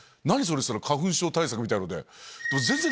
っつったら花粉症対策みたいので。